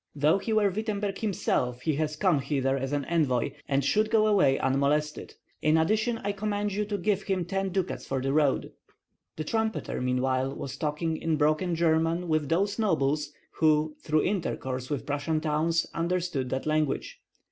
"Though he were Wittemberg himself, he has come hither as an envoy and should go away unmolested. In addition I command you to give him ten ducats for the road." The trumpeter meanwhile was talking in broken German with those nobles who, through intercourse with Prussian towns, understood that language.